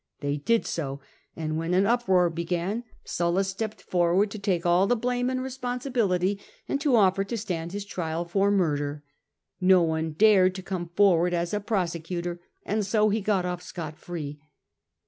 They did so ; and when an uproar began, Sulla stepped forward to take all the blame and responsibility, and to offer to stand his trial for murder. No one dared to come forward as a prosecutor, and so he got off scot free.